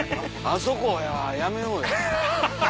あそこはやめよう。